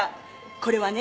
これはね